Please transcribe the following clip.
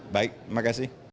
baik terima kasih